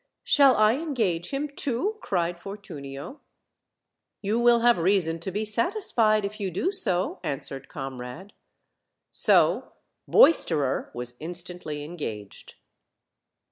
"Shall I engage him too?" cried Fortunio. "You will have reason to be satisfied if you do so," answered Comrade. So Boisterer was instantly engaged.